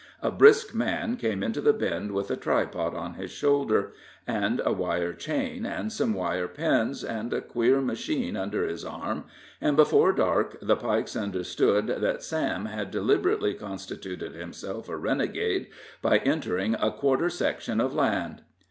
A brisk man came into the Bend with a tripod on his shoulder, and a wire chain, and some wire pins, and a queer machine under his arm, and before dark the Pikes understood that Sam had deliberately constituted himself a renegade by entering a quarter section of land.